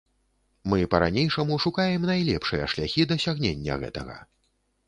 Мы па-ранейшаму шукаем найлепшыя шляхі дасягнення гэтага.